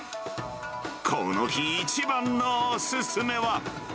この日一番のお勧めは。